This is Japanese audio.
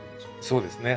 そうですね。